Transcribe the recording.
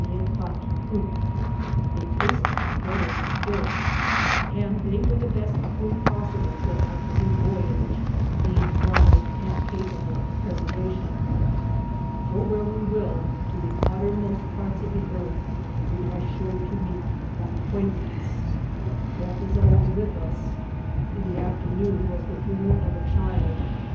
371 premier pas qui coute, they tasted better than the fish, and they were the best food possible for our canoe voy age, being dried and capableupf preservation. Go where we will, to the uttermost parts of the earth, we are sure to meet one acquaintance. Death is al ways with us. In the afternoon was the funeral of a child.